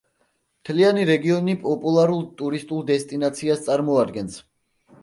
მთლიანი რეგიონი პოპულარულ ტურისტულ დესტინაციას წარმოადგენს.